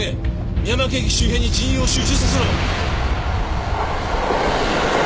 三山木駅周辺に人員を集中させろ！